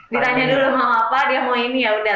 ditanya dulu mau apa dia mau ini ya udah